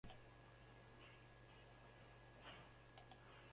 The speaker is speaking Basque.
Gaur ez dira atzo adinako istiluak izan.